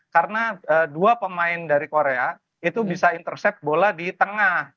karena dua pemain dari korea itu bisa intercept bola di tengah